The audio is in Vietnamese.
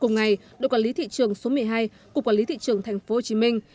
cùng ngày đội quản lý thị trường số một mươi hai cục quản lý thị trường thành phố hồ chí minh